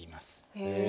へえ。